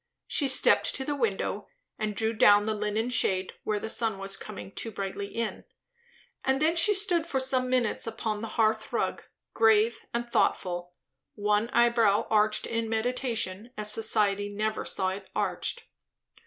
She stepped to the window and drew down the linen shade where the sun was coming too brightly in; and then she stood for some minutes upon the hearth rug, grave and thoughtful, one eyebrow arched in meditation as society never saw it arched.